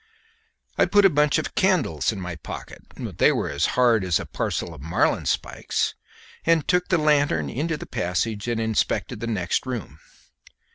I put a bunch of candles in my pocket they were as hard as a parcel of marline spikes and took the lanthorn into the passage and inspected the next room.